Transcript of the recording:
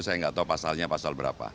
saya tidak tahu pasal